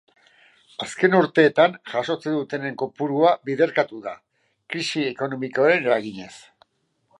Azken urteetan jasotzen dutenen kopurua biderkatu da, krisi ekonomiaren eraginez.